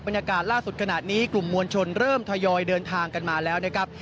บรรยากาศล่าสุดขณะนี้กลุ่มมวลชนเริ่มทยอยเดินทางกันมาแล้วนะครับ